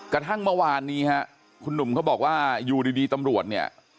กระทั่งเมื่อวานนี้ฮะคุณหนุ่มเขาบอกว่าอยู่ดีตำรวจเนี่ย